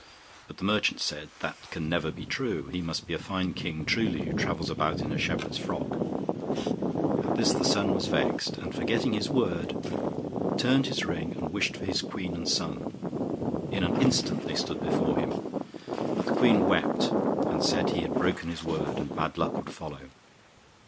But the merchant said, 'that can never be true; he must be a fine king truly who travels about in a shepherd's frock!' At this the son was vexed; and forgetting his word, turned his ring, and wished for his queen and son. In an instant they stood before him; but the queen wept, and said he had broken his word, and bad luck would follow.